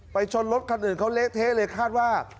ชนรถคันอื่นเขาเละเทะเลยคาดว่า